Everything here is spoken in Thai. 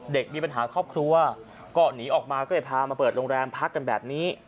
เด็กมีปัญหาครอบครัวก็หนีออกมาก็เลยพามาเปิดโรงแรมพักกันแบบนี้